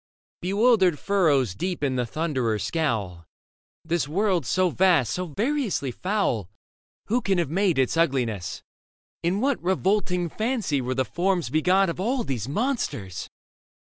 Bewildered furrows deepen the Thunderer's scowl ; This world so vast, so variously foul — I Who can have made its ugliness f In what / Revolting fancy were the Forms begot ' Of all these monsters